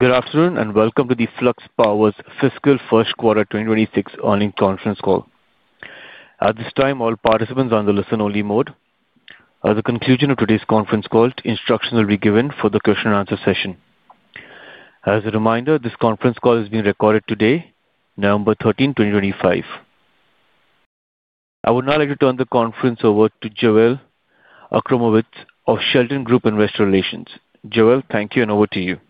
Good afternoon and welcome to the Flux Power's fiscal first quarter 2026 earnings conference call. At this time, all participants are on the listen-only mode. At the conclusion of today's conference call, instructions will be given for the question-and-answer session. As a reminder, this conference call is being recorded today, November 13, 2025. I would now like to turn the conference over to Joel Achramowicz of Shelton Group Investor Relations. Joel, thank you, and over to you.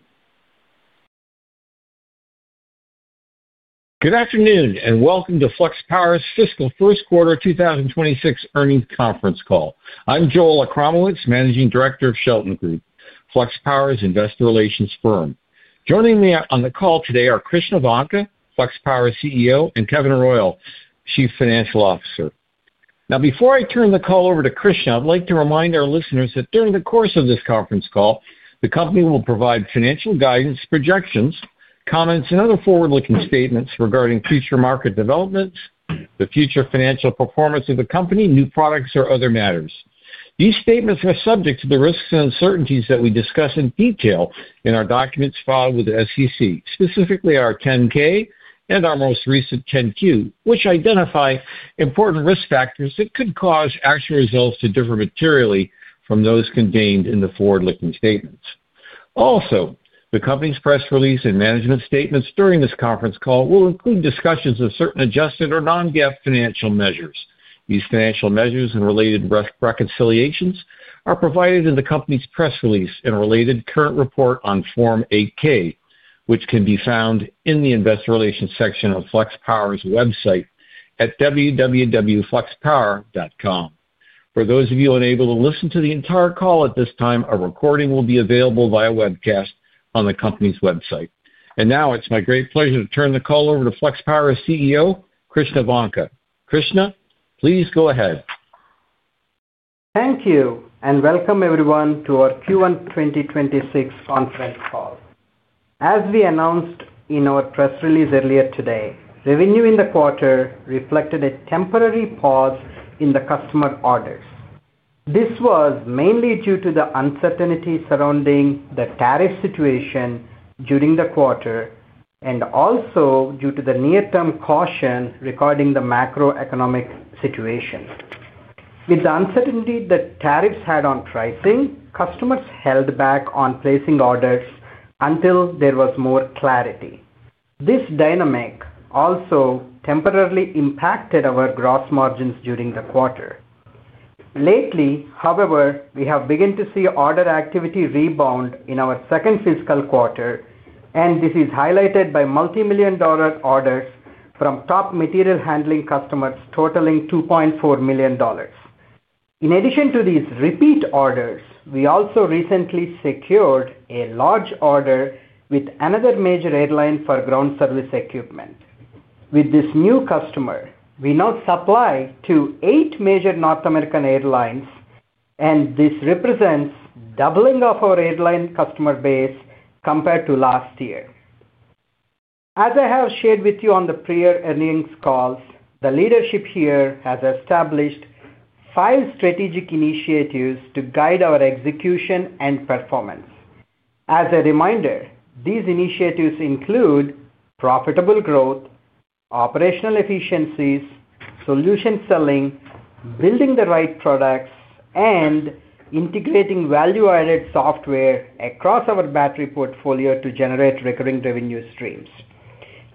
Good afternoon and welcome to Flux Power's fiscal first quarter 2026 earnings conference call. I'm Joel Akromowitz, Managing Director of Shelton Group, Flux Power's investor relations firm. Joining me on the call today are Krishna Vanka, Flux Power CEO, and Kevin Royal, Chief Financial Officer. Now, before I turn the call over to Krishna, I'd like to remind our listeners that during the course of this conference call, the company will provide financial guidance, projections, comments, and other forward-looking statements regarding future market developments, the future financial performance of the company, new products, or other matters. These statements are subject to the risks and uncertainties that we discuss in detail in our documents filed with the SEC, specifically our 10-K and our most recent 10-Q, which identify important risk factors that could cause actual results to differ materially from those contained in the forward-looking statements. Also, the company's press release and management statements during this conference call will include discussions of certain adjusted or non-GAAP financial measures. These financial measures and related reconciliations are provided in the company's press release and related current report on Form 8-K, which can be found in the investor relations section of Flux Power's website at www.fluxpower.com. For those of you unable to listen to the entire call at this time, a recording will be available via webcast on the company's website. It is my great pleasure to turn the call over to Flux Power's CEO, Krishna Vanka. Krishna, please go ahead. Thank you and welcome everyone to our Q1 2026 conference call. As we announced in our press release earlier today, revenue in the quarter reflected a temporary pause in the customer orders. This was mainly due to the uncertainty surrounding the tariff situation during the quarter and also due to the near-term caution regarding the macroeconomic situation. With the uncertainty that tariffs had on pricing, customers held back on placing orders until there was more clarity. This dynamic also temporarily impacted our gross margins during the quarter. Lately, however, we have begun to see order activity rebound in our second fiscal quarter, and this is highlighted by multi-million dollar orders from top material handling customers totaling $2.4 million. In addition to these repeat orders, we also recently secured a large order with another major airline for ground service equipment. With this new customer, we now supply to eight major North American airlines, and this represents doubling of our airline customer base compared to last year. As I have shared with you on the prior earnings calls, the leadership here has established five strategic initiatives to guide our execution and performance. As a reminder, these initiatives include profitable growth, operational efficiencies, solution selling, building the right products, and integrating value-added software across our battery portfolio to generate recurring revenue streams.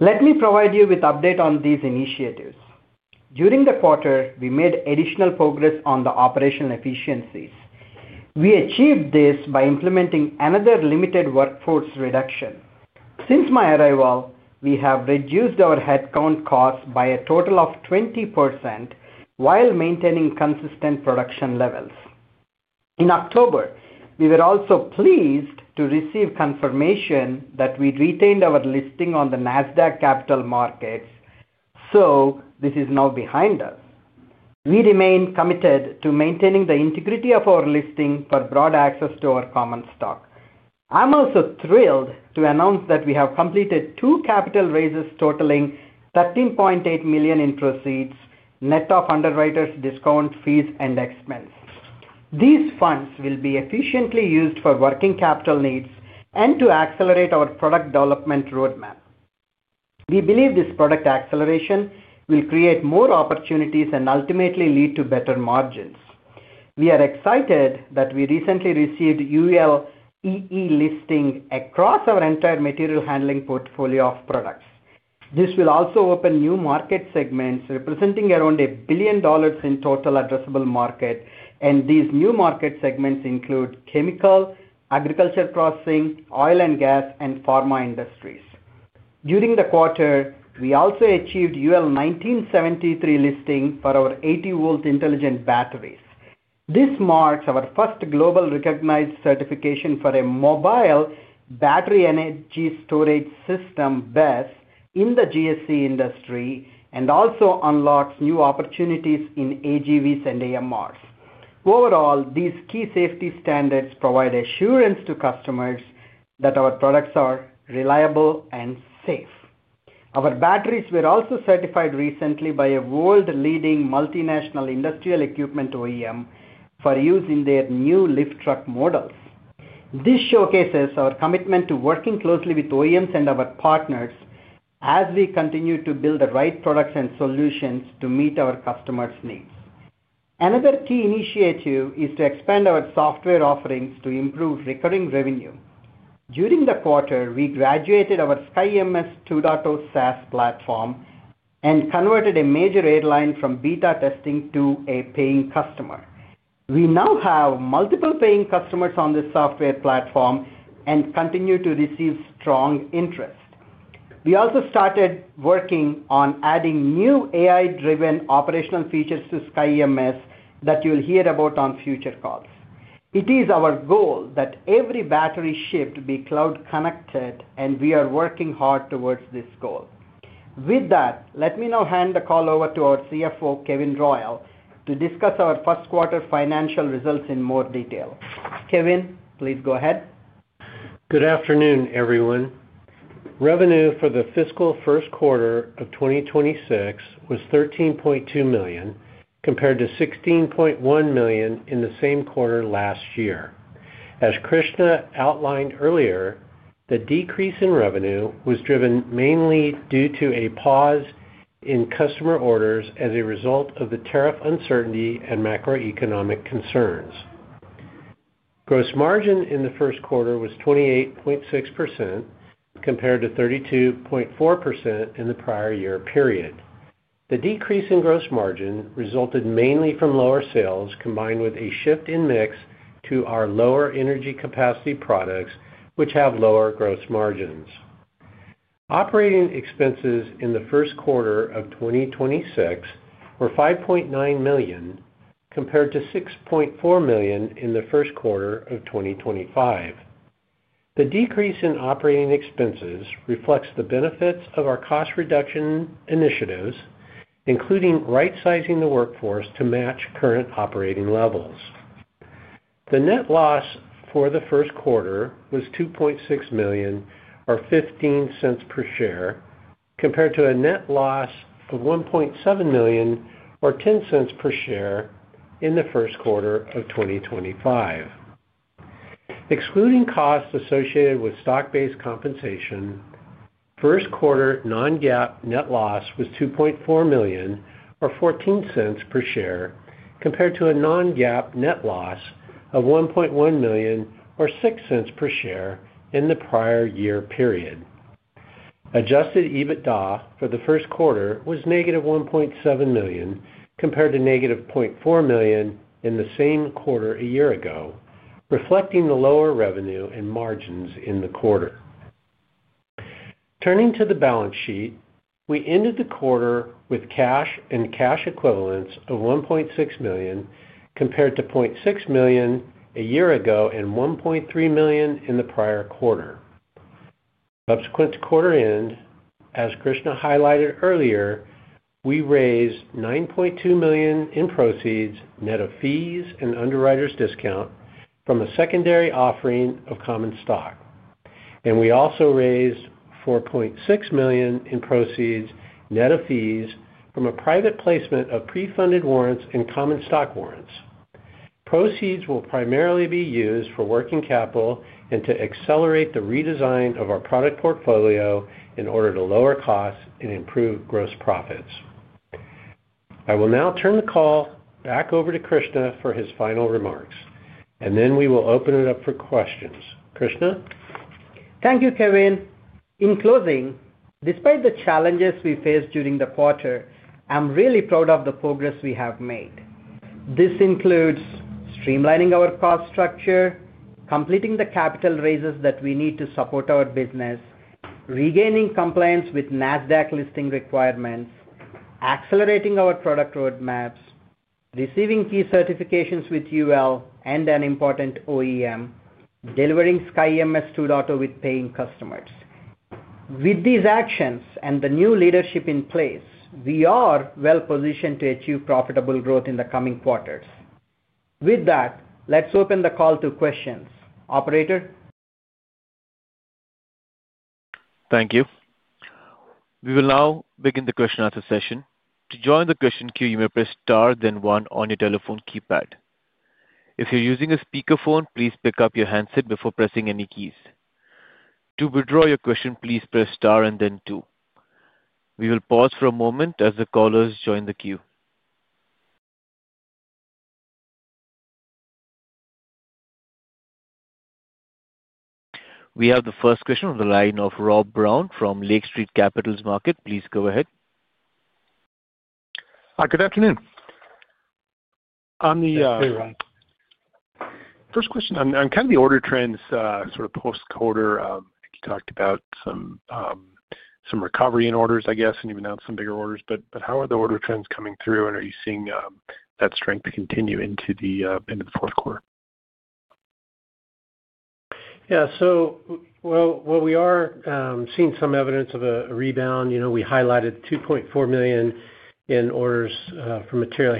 Let me provide you with an update on these initiatives. During the quarter, we made additional progress on the operational efficiencies. We achieved this by implementing another limited workforce reduction. Since my arrival, we have reduced our headcount costs by a total of 20% while maintaining consistent production levels. In October, we were also pleased to receive confirmation that we retained our listing on the NASDAQ Capital Markets, so this is now behind us. We remain committed to maintaining the integrity of our listing for broad access to our common stock. I'm also thrilled to announce that we have completed two capital raises totaling $13.8 million in proceeds, net of underwriters' discount fees and expense. These funds will be efficiently used for working capital needs and to accelerate our product development roadmap. We believe this product acceleration will create more opportunities and ultimately lead to better margins. We are excited that we recently received ULEE listing across our entire material handling portfolio of products. This will also open new market segments representing around a billion dollars in total addressable market, and these new market segments include chemical, agriculture crossing, oil and gas, and pharma industries. During the quarter, we also achieved UL 1973 listing for our 80-volt intelligent batteries. This marks our first globally recognized certification for a mobile battery energy storage system best in the GSE industry and also unlocks new opportunities in AGVs and AMRs. Overall, these key safety standards provide assurance to customers that our products are reliable and safe. Our batteries were also certified recently by a world-leading multinational industrial equipment OEM for use in their new lift truck models. This showcases our commitment to working closely with OEMs and our partners as we continue to build the right products and solutions to meet our customers' needs. Another key initiative is to expand our software offerings to improve recurring revenue. During the quarter, we graduated our SkyBMS 2.0 SaaS platform and converted a major airline from beta testing to a paying customer. We now have multiple paying customers on this software platform and continue to receive strong interest. We also started working on adding new AI-driven operational features to SkyBMS that you'll hear about on future calls. It is our goal that every battery ship be cloud connected, and we are working hard towards this goal. With that, let me now hand the call over to our CFO, Kevin Royal, to discuss our first quarter financial results in more detail. Kevin, please go ahead. Good afternoon, everyone. Revenue for the fiscal first quarter of 2026 was $13.2 million compared to $16.1 million in the same quarter last year. As Krishna outlined earlier, the decrease in revenue was driven mainly due to a pause in customer orders as a result of the tariff uncertainty and macroeconomic concerns. Gross margin in the first quarter was 28.6% compared to 32.4% in the prior year period. The decrease in gross margin resulted mainly from lower sales combined with a shift in mix to our lower energy capacity products, which have lower gross margins. Operating expenses in the first quarter of 2026 were $5.9 million compared to $6.4 million in the first quarter of 2025. The decrease in operating expenses reflects the benefits of our cost reduction initiatives, including right-sizing the workforce to match current operating levels. The net loss for the first quarter was $2.6 million, or $0.15 per share, compared to a net loss of $1.7 million, or $0.10 per share in the first quarter of 2025. Excluding costs associated with stock-based compensation, first quarter non-GAAP net loss was $2.4 million, or $0.14 per share, compared to a non-GAAP net loss of $1.1 million, or $0.06 per share in the prior year period. Adjusted EBITDA for the first quarter was negative $1.7 million compared to negative $0.4 million in the same quarter a year ago, reflecting the lower revenue and margins in the quarter. Turning to the balance sheet, we ended the quarter with cash and cash equivalents of $1.6 million compared to $0.6 million a year ago and $1.3 million in the prior quarter. Subsequent to quarter end, as Krishna highlighted earlier, we raised $9.2 million in proceeds net of fees and underwriters' discount from a secondary offering of common stock. We also raised $4.6 million in proceeds net of fees from a private placement of pre-funded warrants and common stock warrants. Proceeds will primarily be used for working capital and to accelerate the redesign of our product portfolio in order to lower costs and improve gross profits. I will now turn the call back over to Krishna for his final remarks, and then we will open it up for questions. Krishna? Thank you, Kevin. In closing, despite the challenges we faced during the quarter, I'm really proud of the progress we have made. This includes streamlining our cost structure, completing the capital raises that we need to support our business, regaining compliance with NASDAQ listing requirements, accelerating our product roadmaps, receiving key certifications with UL and an important OEM, delivering SkyBMS 2.0 with paying customers. With these actions and the new leadership in place, we are well-positioned to achieve profitable growth in the coming quarters. With that, let's open the call to questions. Operator? Thank you. We will now begin the question-answer session. To join the question queue, you may press star then one on your telephone keypad. If you're using a speakerphone, please pick up your handset before pressing any keys. To withdraw your question, please press star and then two. We will pause for a moment as the callers join the queue. We have the first question on the line of Rob Brown from Lake Street Capital Markets. Please go ahead. Hi, good afternoon. I'm the. Hey, Rob. First question on kind of the order trends sort of post-quarter. I think you talked about some recovery in orders, I guess, and you announced some bigger orders. How are the order trends coming through, and are you seeing that strength continue into the end of the fourth quarter? Yeah. While we are seeing some evidence of a rebound, we highlighted $2.4 million in orders from the material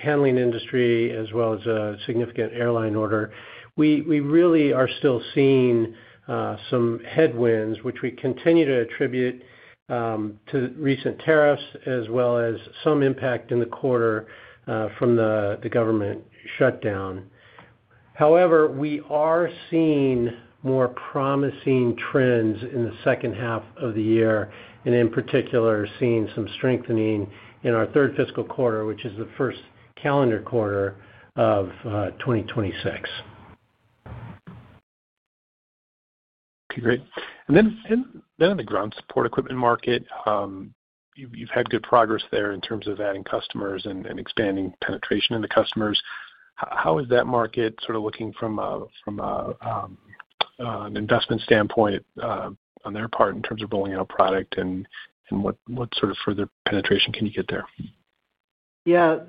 handling industry as well as a significant airline order. We really are still seeing some headwinds, which we continue to attribute to recent tariffs as well as some impact in the quarter from the government shutdown. However, we are seeing more promising trends in the second half of the year and, in particular, seeing some strengthening in our third fiscal quarter, which is the first calendar quarter of 2026. Okay. Great. On the ground support equipment market, you've had good progress there in terms of adding customers and expanding penetration in the customers. How is that market sort of looking from an investment standpoint on their part in terms of rolling out product, and what sort of further penetration can you get there? Yeah.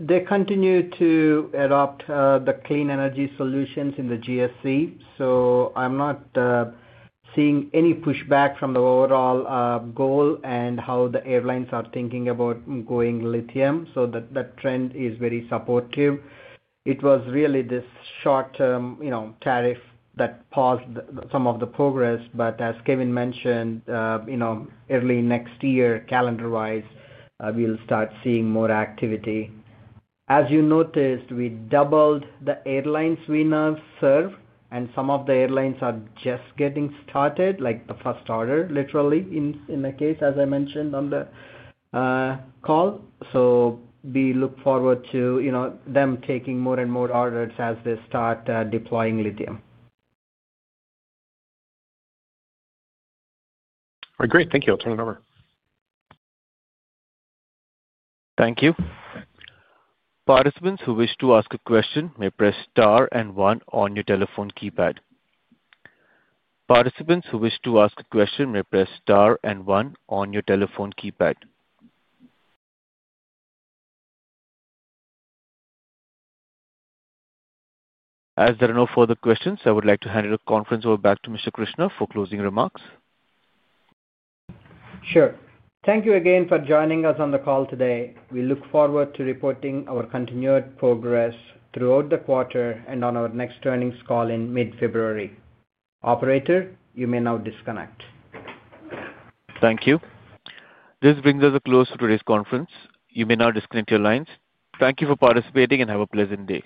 They continue to adopt the clean energy solutions in the GSE. I'm not seeing any pushback from the overall goal and how the airlines are thinking about going lithium. That trend is very supportive. It was really this short-term tariff that paused some of the progress. As Kevin mentioned, early next year, calendar-wise, we'll start seeing more activity. As you noticed, we doubled the airlines we now serve, and some of the airlines are just getting started, like the first order, literally, in the case, as I mentioned on the call. We look forward to them taking more and more orders as they start deploying lithium. All right. Great. Thank you. I'll turn it over. Thank you. Participants who wish to ask a question may press star and one on your telephone keypad. As there are no further questions, I would like to hand the conference over back to Mr. Krishna for closing remarks. Sure. Thank you again for joining us on the call today. We look forward to reporting our continued progress throughout the quarter and on our next earnings call in mid-February. Operator, you may now disconnect. Thank you. This brings us close to today's conference. You may now disconnect your lines. Thank you for participating and have a pleasant day.